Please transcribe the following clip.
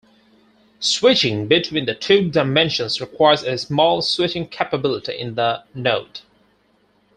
Switching between the two dimensions requires a small switching capability in the node.